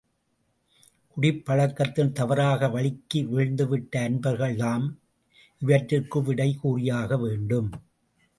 குடிப் பழக்கத்தில் தவறாக வழுக்கி வீழ்ந்துவிட்ட அன்பர்கள்தாம் இவற்றிற்கு விடை கூறியாக வேண்டும்.